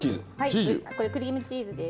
これクリームチーズです。